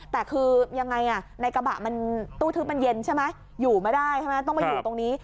แต่คือยังไงในกระบะมันตู้ทึบมันเย็นใช่ไหมอยู่ไม่ได้ใช่ไหมต้องมาอยู่ตรงนี้